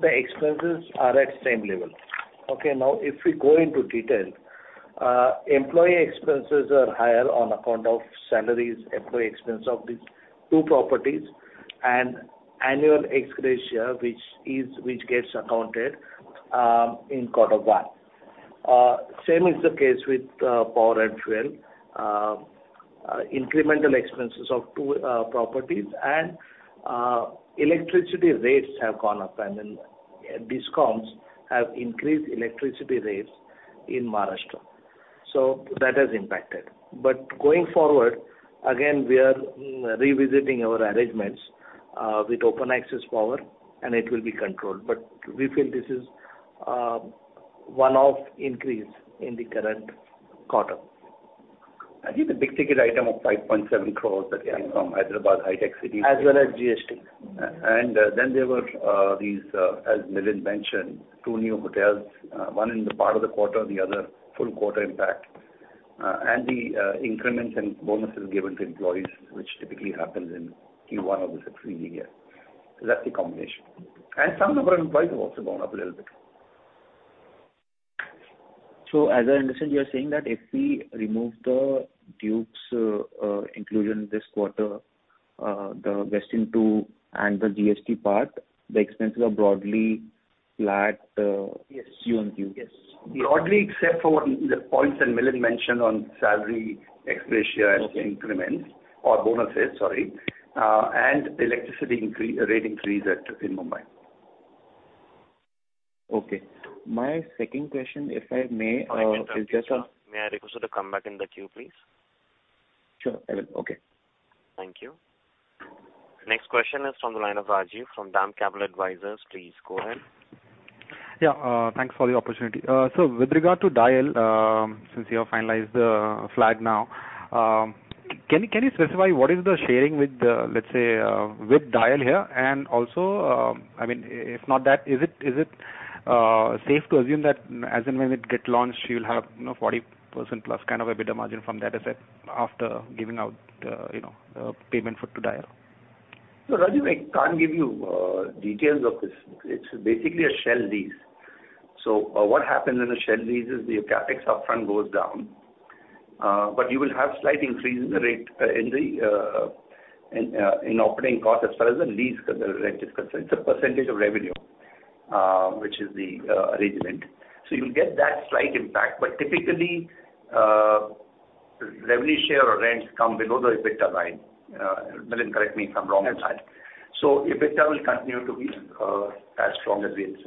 the expenses are at same level. If we go into detail, employee expenses are higher on account of salaries, employee expense of these 2 properties, and annual ex-gratia, which gets accounted in Q1. Same is the case with power and fuel. Incremental expenses of 2 properties and electricity rates have gone up, and discoms have increased electricity rates in Maharashtra. That has impacted. Going forward, again, we are revisiting our arrangements with open access power, and it will be controlled. We feel this is a one-off increase in the current quarter. I think the big ticket item of 5.7 crore that came from Hyderabad, Hitec City. As well as GST. Then there were these, as Milind mentioned, two new hotels, one in the part of the quarter, the other full quarter impact. The increments and bonuses given to employees, which typically happens in Q1 of the succeeding year. That's the combination. Some of our employees have also gone up a little bit. As I understand, you are saying that if we remove the Dukes, inclusion this quarter, the Westin 2 and the GST part, the expenses are broadly flat. Yes. QoQ? Yes. Broadly, except for the points that Milind mentioned on salary escalation. Okay. -and increments or bonuses, sorry, and electricity rate increase at, in Mumbai. Okay. My second question, if I may. May I request you to come back in the queue, please? Sure, I will. Okay. Thank you. Next question is from the line of Rajiv from DAM Capital Advisors. Please go ahead. Yeah, thanks for the opportunity. With regard to DIAL, since you have finalized the flag now, can you, can you specify what is the sharing with the, let's say, with DIAL here? Also, I mean, if not that, is it, is it safe to assume that as and when it gets launched, you will have, you know, 40%+ kind of a better margin from that asset after giving out, you know, the payment for to DIAL? Rajiv, I can't give you details of this. It's basically a shell lease. What happens in a shell lease is the CapEx upfront goes down, but you will have slight increase in the rate in the in operating costs as well as the lease, because the rent is concerned. It's a percentage of revenue, which is the arrangement. You'll get that slight impact, but typically, revenue share or rent come below the EBITDA line. Milind, correct me if I'm wrong on that. Absolutely. EBITDA will continue to be as strong as it's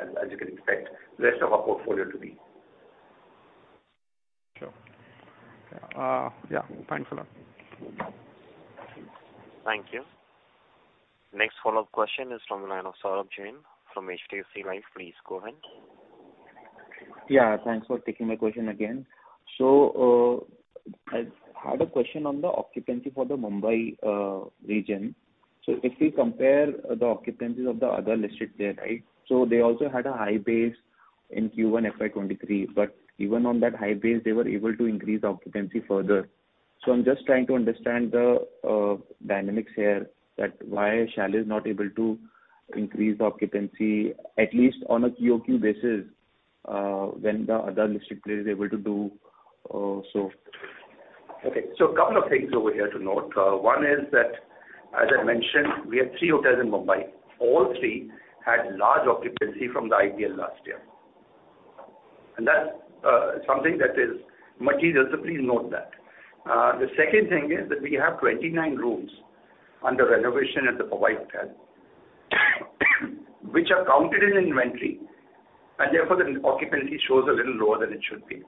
as as you can expect the rest of our portfolio to be. Sure. Yeah, thanks a lot. Thank you. Next follow-up question is from the line of Saurabh Jain from HDFC Life. Please go ahead. Yeah, thanks for taking my question again. I had a question on the occupancy for the Mumbai region. If we compare the occupancies of the other listed there, right? They also had a high base in Q1 FY 2023, but even on that high base, they were able to increase the occupancy further. I'm just trying to understand the dynamics here, that why Chalet is not able to increase the occupancy, at least on a QoQ basis, when the other district player is able to do so? Okay, a couple of things over here to note. One is that, as I mentioned, we have three hotels in Mumbai. All three had large occupancy from the IPL last year. That's something that is material, please note that. The second thing is that we have 29 rooms under renovation at the Mumbai hotel, which are counted in inventory, and therefore, the occupancy shows a little lower than it should be.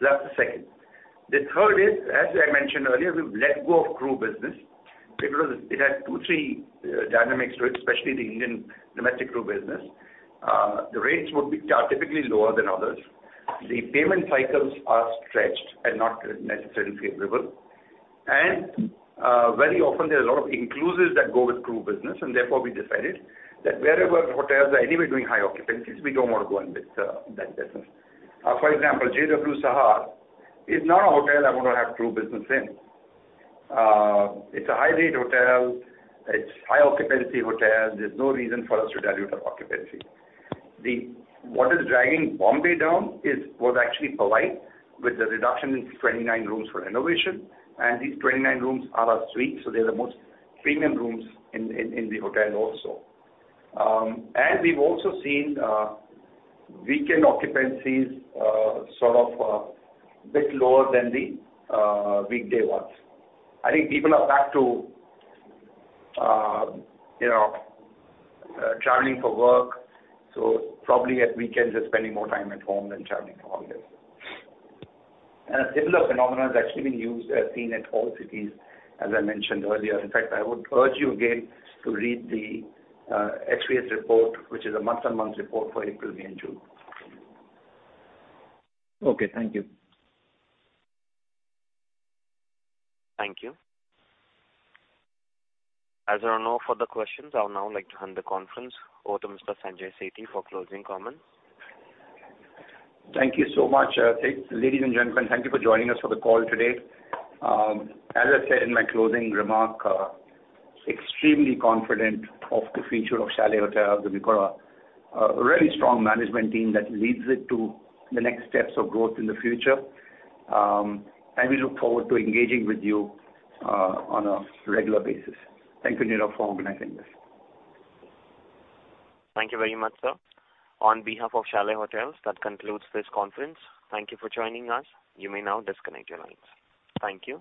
That's the second. The third is, as I mentioned earlier, we've let go of crew business because it had two, three dynamics to it, especially the Indian domestic crew business. The rates are typically lower than others. The payment cycles are stretched and not necessarily favorable. Very often there are a lot of inclusives that go with crew business, and therefore, we decided that wherever hotels are anyway, doing high occupancies, we don't want to go in this, that business. For example, JW Sahar is not a hotel I want to have crew business in. It's a high-rate hotel. It's high-occupancy hotel. There's no reason for us to dilute our occupancy. What is driving Mumbai down is, was actually Powai, with the reduction in 29 rooms for renovation, and these 29 rooms are our suites, so they're the most premium rooms in the hotel also. And we've also seen weekend occupancies sort of, bit lower than the, weekday ones. I think people are back to, you know, traveling for work, so probably at weekends, they're spending more time at home than traveling for holidays. A similar phenomenon has actually been seen at all cities, as I mentioned earlier. In fact, I would urge you again to read the STR report, which is a month-on-month report for April, May, and June. Okay, thank you. Thank you. As there are no further questions, I would now like to hand the conference over to Mr. Sanjay Sethi for closing comments. Thank you so much, ladies and gentlemen. Thank you for joining us for the call today. As I said in my closing remark, extremely confident of the future of Chalet Hotels, because we've got a, a really strong management team that leads it to the next steps of growth in the future. We look forward to engaging with you on a regular basis. Thank you, Nirav, for organizing this. Thank you very much, sir. On behalf of Chalet Hotels, that concludes this conference. Thank you for joining us. You may now disconnect your lines. Thank you.